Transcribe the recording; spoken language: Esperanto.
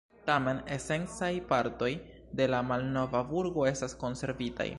Tamen esencaj partoj de la malnova burgo estas konservitaj.